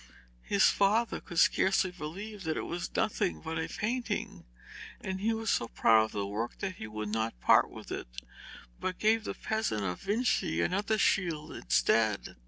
His father could scarcely believe that it was nothing but a painting, and he was so proud of the work that he would not part with it, but gave the peasant of Vinci another shield instead.